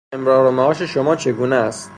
راه امرار و معاش شما چگونه است؟